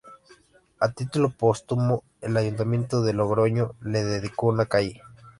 A título póstumo el Ayuntamiento de Logroño le dedicó una calle.